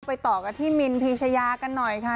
ต่อกันที่มินพีชยากันหน่อยค่ะ